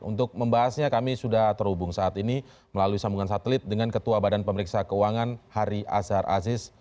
untuk membahasnya kami sudah terhubung saat ini melalui sambungan satelit dengan ketua badan pemeriksa keuangan hari azhar aziz